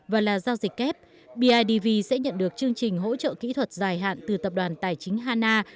và là giao dịch kép bidv sẽ nhận được chương trình hỗ trợ kỹ thuật dài hạn từ tập đoàn tài chính hanna